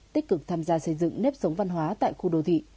tích cực tham gia xây dựng nếp sống văn hóa tại khu đô thị